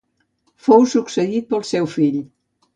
Fou succeït pel seu fill.